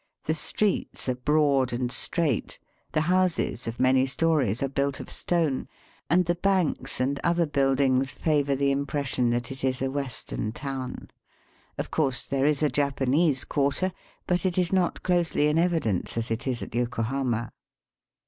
The streets are broad and straight, the houses of many stories, are built of stone, and the banks and other pubhc buildings favour the impression that it is a Western town. Of course there Is a Japanese quarter, but it is not closely in evidence as it is at Yokohama.